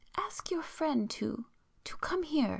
"Ask your friend ... to come here